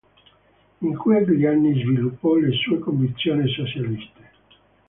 In quegli anni sviluppò le sue convinzioni socialiste.